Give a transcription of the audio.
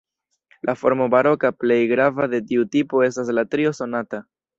La formo baroka plej grava de tiu tipo estas la trio sonata.